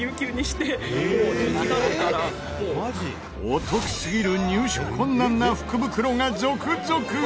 お得すぎる入手困難な福袋が続々！